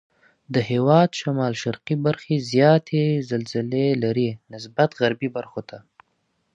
د هېواد شمال شرقي برخې زیاتې زلزلې لري نسبت غربي برخو ته.